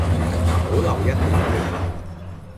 保留一點血脈